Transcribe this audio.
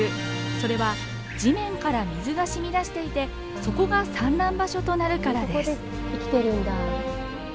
それは地面から水がしみ出していてそこが産卵場所となるからです。